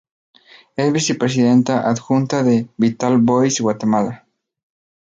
Es VicePresidenta Adjunta de Vital Voices Guatemala.